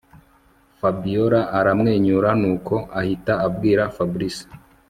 Fabiora aramwenyura nuko ahita abwira fabric